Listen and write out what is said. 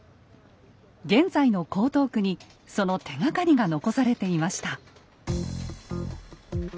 現在の江東区にその手がかりが残されていました。